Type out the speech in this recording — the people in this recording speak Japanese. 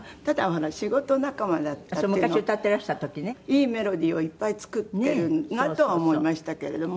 いいメロディーをいっぱい作ってるなとは思いましたけれども。